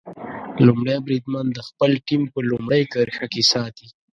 لومړی بریدمن د خپله ټیم په لومړۍ کرښه کې ساتي.